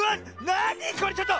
なにこれちょっと！